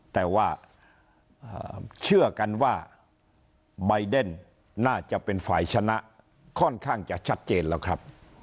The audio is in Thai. แต่ว่าเชื่อกันว่าใบเดนน่าจะเป็นฝ่ายชนะค่อนข้างจะชัดเจนแล้วครับ